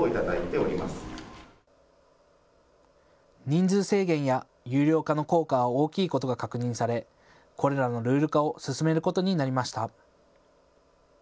人数制限や有料化の効果は大きいことが確認されこれらのルール化を進めることになりました。